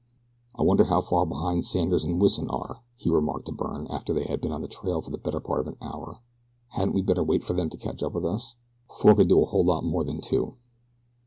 "I wonder how far behind Sanders and Wison are," he remarked to Byrne after they had been on the trail for the better part of an hour. "Hadn't we better wait for them to catch up with us? Four can do a whole lot more than two."